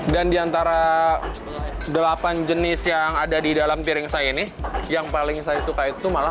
dan di antara delapan jenis yang ada di dalam piring saya ini yang paling saya suka itu malah